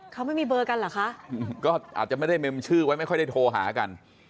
เขาไม่มีเบอร์กันเหรอคะก็อาจจะไม่ได้เมมชื่อไว้ไม่ค่อยได้โทรหากัน